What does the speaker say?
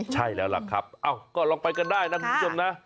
ใช่แล้วล่ะครับก็ลองไปกันได้นะคุณผู้ชมนะ